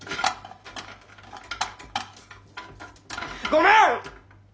ごめん！